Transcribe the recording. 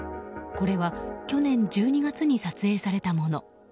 これは去年１２月に撮影されたもの。